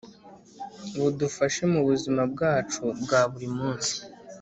budufashe mu buzima bwacu bwa buri munsi.